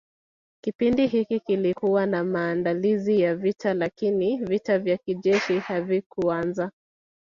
Kipindi hiki kilikuwa na maandalizi ya vita lakini vita vya kijeshi havikuanza